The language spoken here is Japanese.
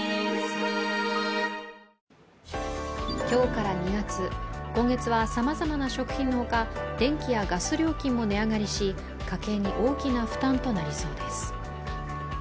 今日から２月、今月はさまざまな食品の他、電気やガス料金も値上がりし、家計に大きな負担となりそうです。